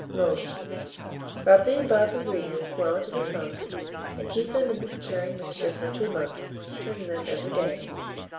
Mode. Rub the above ingredients well into the tongues, and keep them in this curing mixture for 2 months, turning them every day.